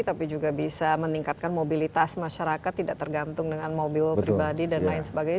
tapi juga bisa meningkatkan mobilitas masyarakat tidak tergantung dengan mobil pribadi dan lain sebagainya